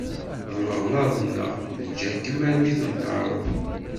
D leɣlaḍ-nneɣ neǧǧa-kem armi i tenṭerreḍ.